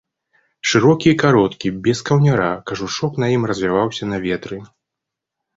Шырокі і кароткі, без каўняра, кажушок на ім развяваўся на ветры.